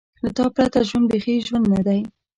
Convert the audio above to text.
له تا پرته ژوند بېخي ژوند نه دی.